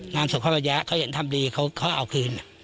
งานสกภาพย้ะเขาเห็นทำดีเขาเอาคืน